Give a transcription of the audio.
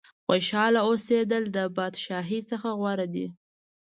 خوشاله اوسېدل د بادشاهۍ څخه غوره دي.